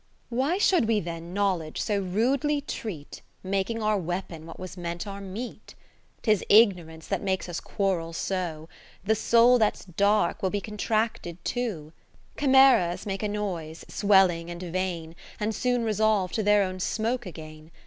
30 Why should we then Knowledge so rudely treat, Making our weapon what was meant our meat ? 'Tis Ignorance that makes us quarrel so ; The soul that 's dark will be contracted too. Chimaeras make a noise, swelling and vain. And soon resolve to their own smoke again.